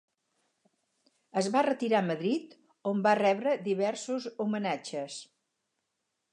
Es va retirar a Madrid, on va rebre diversos homenatges.